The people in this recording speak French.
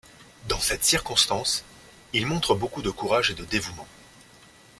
Dans cette circonstance, il montre beaucoup de courage et de dévouement.